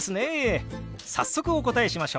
早速お答えしましょう。